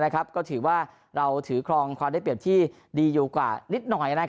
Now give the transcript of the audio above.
ก็ถือว่าเราถือครองความได้เปรียบที่ดีอยู่กว่านิดหน่อย